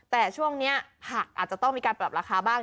แต่ช่วงนี้ผักอาจจะต้องมีการปรับราคาบ้าง